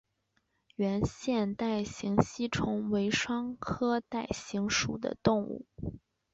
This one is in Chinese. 圆腺带形吸虫为双腔科带形属的动物。